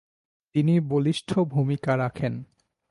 তিনি বলিষ্ঠ ভূমিকা রাখেন।